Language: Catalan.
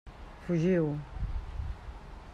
Fugiu!